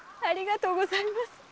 ありがとうございます！